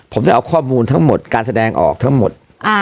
ผมได้เอาข้อมูลทั้งหมดการแสดงออกทั้งหมด